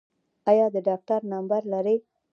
ایا د ډاکټر نمبر لرئ؟